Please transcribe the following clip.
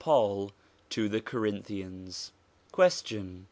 PAUL TO THE CORINTHIANS Question.